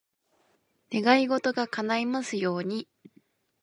願い事が叶いますように。